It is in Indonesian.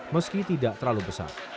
meski tidak terlalu besar